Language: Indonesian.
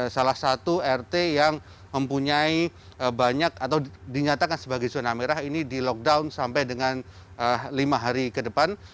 salah satu rt yang mempunyai banyak atau dinyatakan sebagai zona merah ini di lockdown sampai dengan lima hari ke depan